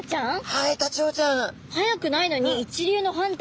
はいタチウオちゃん！